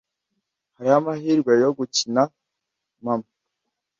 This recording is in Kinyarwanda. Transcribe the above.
Hariho amahirwe yo gukina mama.